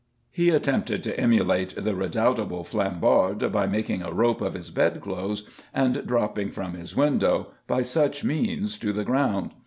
He attempted to emulate the redoubtable Flambard by making a rope of his bedclothes and dropping from his window, by such means, to the ground.